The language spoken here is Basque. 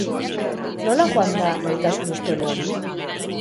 Nola joan da maitasun historia hori?